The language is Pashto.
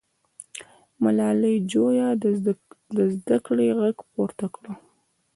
ملالۍ جویا د زده کړې غږ پورته کړ.